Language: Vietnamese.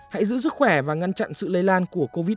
hãy giữ sức khỏe và ngăn chặn sự lây lan của covid một mươi chín